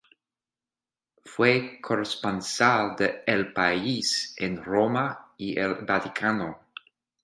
Fue corresponsal de "El País" en Roma y el Vaticano.